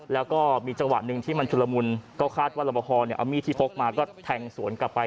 แล้วก็มีจังหวะหนึ่งที่มันชุลมุนก็คาดว่ารบพอเอามีดที่พกมาก็แทงสวนกลับไป